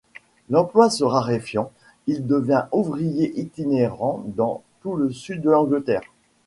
L'emploi se raréfiant, il devint ouvrier itinérant dans tout le sud de l'Angleterre.